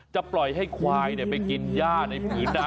ปล่อยให้ควายไปกินย่าในผืนน้ำ